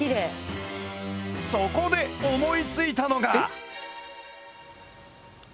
そこで思いついたのが。